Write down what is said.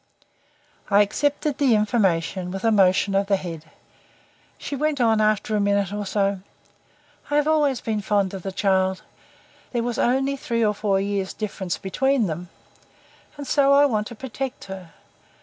I accepted the information with a motion of the head. She went on after a minute or so. "I have always been fond of the child" there were only three or four years difference between them! "and so I want to protect her.